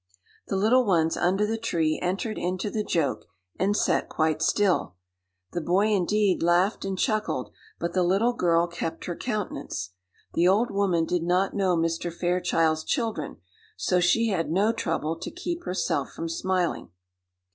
The little ones under the tree entered into the joke, and sat quite still. The boy, indeed, laughed and chuckled; but the little girl kept her countenance. The old woman did not know Mr. Fairchild's children, so she had no trouble to keep herself from smiling.